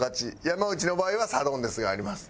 山内の場合はサドンデスがあります。